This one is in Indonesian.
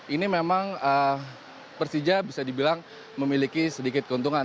ini memang persija bisa dibilang memiliki sedikit keuntungan